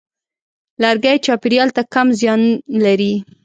لرګی چاپېریال ته کم زیان لري.